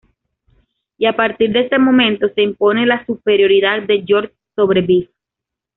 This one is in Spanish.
Y a partir de este momento se impone la superioridad de George sobre Biff.